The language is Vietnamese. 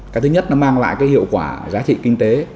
cái thứ nhất nó mang lại cái hiệu quả giá trị kinh tế